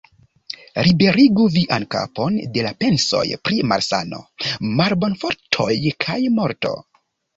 Liberigu vian kapon de la pensoj pri malsano, malbonfartoj kaj morto.